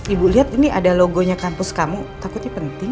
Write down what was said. ibu lihat ini ada logonya kampus kamu takutnya penting